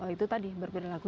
itu tadi berpilihan lagu